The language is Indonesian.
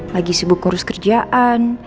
lagi sibuk ngurus kerjaan